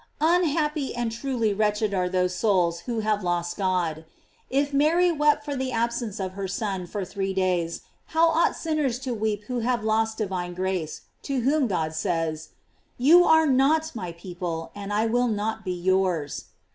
Unhappy and truly wretched are those souls who have lost God. If Mary wept for the absence of her Son for three days, how ought sinners to weep who have lost divine grace, to whom God says: "You are not my people, and I will not be yours."